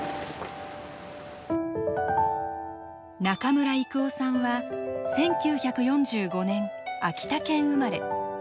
中村征夫さんは１９４５年秋田県生まれ。